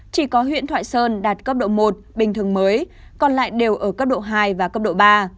chỉ có huyện thoại sơn đạt cấp độ một bình thường mới còn lại đều ở cấp độ hai và cấp độ ba